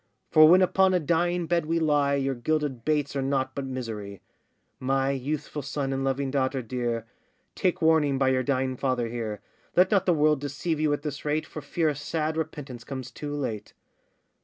For when upon a dying bed we lie, Your gilded baits are nought but misery. My youthful son and loving daughter dear, Take warning by your dying father here; Let not the world deceive you at this rate, For fear a sad repentance comes too late.